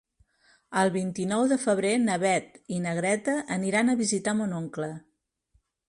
El vint-i-nou de febrer na Beth i na Greta aniran a visitar mon oncle.